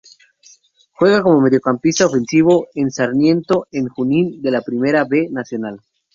Juega como mediocampista ofensivo en Sarmiento de Junín de la Primera B Nacional.